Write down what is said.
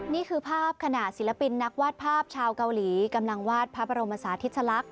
นี่คือภาพขณะศิลปินนักวาดภาพชาวเกาหลีกำลังวาดพระบรมศาธิสลักษ